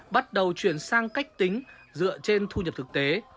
bắt đầu chuyển sang cách tính dựa trên thu nhập thực tế